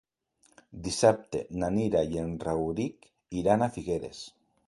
Dissabte na Nina i en Rauric iran a Figueres.